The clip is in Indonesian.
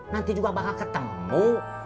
nanti juga bakal ketemu